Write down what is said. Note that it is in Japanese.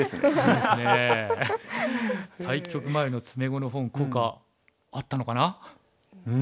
対局前の詰碁の本効果あったのかな？